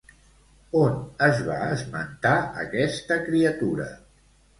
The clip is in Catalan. On es va esmentar aquesta criatura?